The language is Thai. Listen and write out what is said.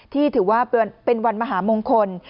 ถือว่าเป็นวันมหามงคล